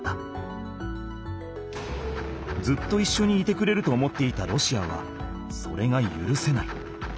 ずっといっしょにいてくれると思っていたロシアはそれがゆるせない。